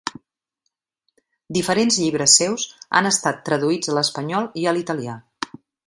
Diferents llibres seus han estat traduïts a l'espanyol i l'italià.